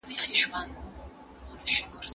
چي د غرونو په لمن کي ښکار ته ساز وو